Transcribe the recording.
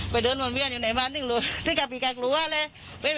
ไปเดินวนเวียนอยู่ในบ้านซึ่งกะปีกะกลัวเลย